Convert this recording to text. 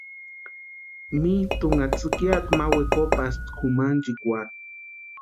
Mitʼunha tsïkiata ma wekopantaspti kʼumanchikwarhu.